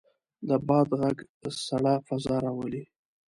د باد غږ سړه فضا راولي.